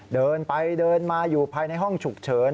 เดินไปเดินมาอยู่ภายในห้องฉุกเฉิน